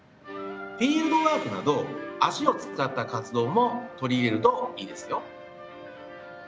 フィールドワークなど足を使った活動も取り入れるといいですよ。